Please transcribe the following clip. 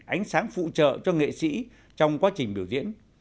ánh sáng phụ trợ cho nghệ sĩ trong quá trình biểu diễn